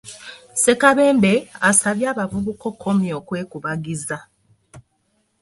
Ssekabembe asabye abavubuka okukomya okwekubagiza,